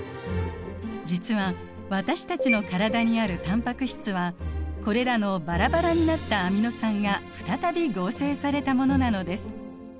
実は私たちの体にあるタンパク質はこれらのバラバラになったアミノ酸が再び合成されたものなのです。